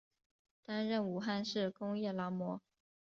担任武汉市工业劳模。